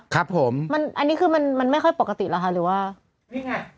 ครับผมมันอันนี้คือมันมันไม่ค่อยปกติหรอกค่ะหรือว่านี่ไง